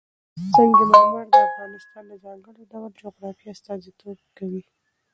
سنگ مرمر د افغانستان د ځانګړي ډول جغرافیه استازیتوب کوي.